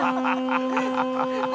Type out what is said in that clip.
ハハハ ）